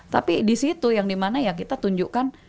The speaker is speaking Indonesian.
tapi di situ yang dimana ya kita tunjukkan